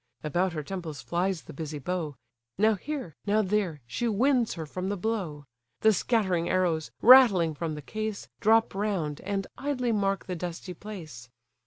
About her temples flies the busy bow; Now here, now there, she winds her from the blow; The scattering arrows, rattling from the case, Drop round, and idly mark the dusty place.